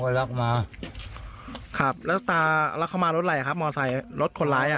ครับครับแล้วตาแล้วเข้ามารถไหนครับมอเตอร์ไซค์รถคนร้ายอ่ะ